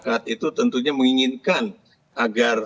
tapi yang tentunya kita sebagai pemilih dan juga sebagai pemerintah